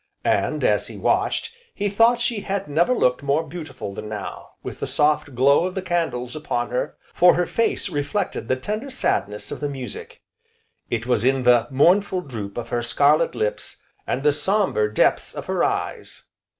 And, as he watched, he thought she had never looked more beautiful than now, with the soft glow of the candles upon her; for her face reflected the tender sadness of the music, it was in the mournful droop of her scarlet lips, and the sombre depths of her eyes.